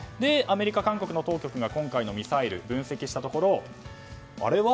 アメリカと韓国の当局が今回のミサイル、分析したところ